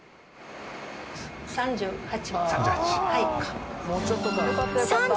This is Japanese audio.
３８？